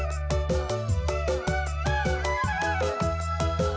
lebih baik kita berpisah saja